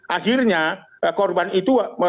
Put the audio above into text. akhirnya korban itu